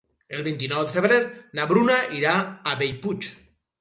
El vint-i-nou de febrer na Bruna irà a Bellpuig.